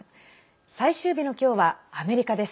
最終日の今日はアメリカです。